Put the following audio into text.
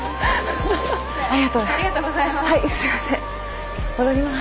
ありがとうございます。